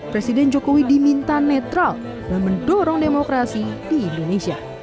presiden jokowi diminta netral dalam mendorong demokrasi di indonesia